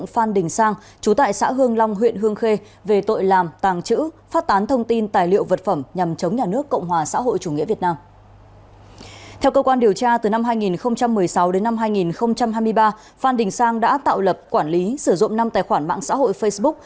phan đình sang đã tạo lập quản lý sử dụng năm tài khoản mạng xã hội facebook